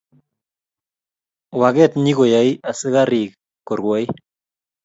waket nyi koyai asakarik ko rwoi